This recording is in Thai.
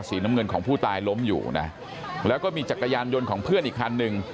น้ำเงินของผู้ตายล้มอยู่นะแล้วก็มีจักรยานยนต์ของเพื่อนอีกคันหนึ่ง